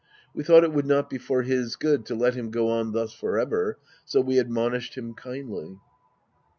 We thought it would not be for his good to let him go on thus for ever, so we admonished him kindly.